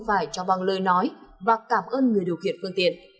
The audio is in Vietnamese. phải cho bằng lời nói và cảm ơn người điều khiển phương tiện